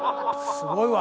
すごいわ。